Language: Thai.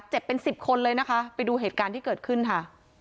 เจ็บเป็นสิบคนเลยนะคะไปดูเหตุการณ์ที่เกิดขึ้นค่ะ